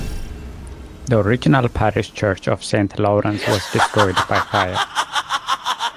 The original parish church of Saint Lawrence was destroyed by fire.